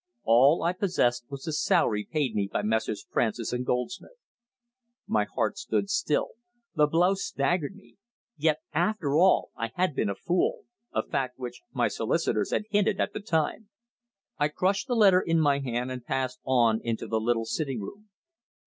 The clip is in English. All I possessed was the salary paid me by Messrs. Francis and Goldsmith. My heart stood still. The blow staggered me. Yet, after all, I had been a fool a fact which my solicitors had hinted at the time. I crushed the letter in my hand and passed on into the little sitting room.